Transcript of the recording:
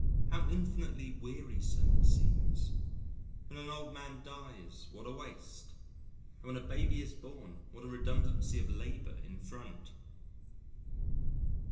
How infinitely wearisome it seems. When an old man dies what a waste, and when a baby is born what a redundancy of labour in front!